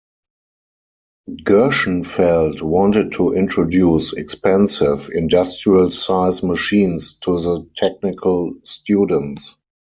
Gershenfeld wanted to introduce expensive, industrial-size machines to the technical students.